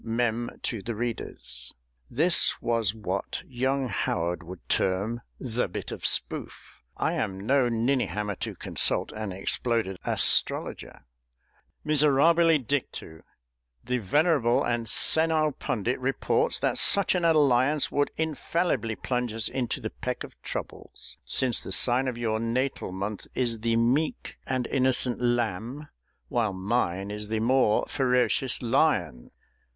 [MEM. TO THE READERS. This was what young ~HOWARD~ would term "~the bit of spoof~." I am no ninny hammer to consult an exploded astrologer!] Miserabile dictu! the venerable and senile pundit reports that such an alliance would infallibly plunge us into the peck of troubles, since the sign of your natal month is the meek and innocent Lamb while mine is the more ferocious Lion!